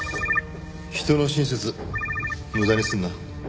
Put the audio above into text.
人の親切無駄にするな。